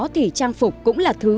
thì trang phục cũng là thứ